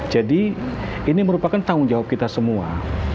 jadi ini merupakan tanggung jawab kita semua